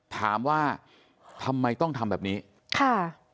ถามว่าทำไมต้องทำแบบนี้ค่ะ